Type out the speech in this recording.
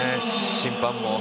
審判も。